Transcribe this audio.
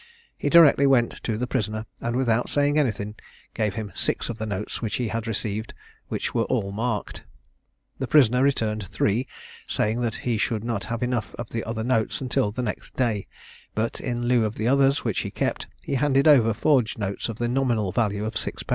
He directly went to the prisoner, and without saying anything, gave him six of the notes which he had received, and which were all marked. The prisoner returned three, saying that he should not have enough of the other notes until the next day; but in lieu of the others, which he kept, he handed over forged notes of the nominal value of 6_l.